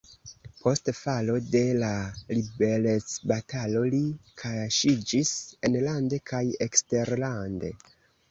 Post falo de la liberecbatalo li kaŝiĝis enlande kaj eksterlande.